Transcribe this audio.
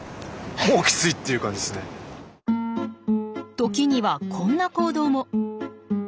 時にはこんな行動も。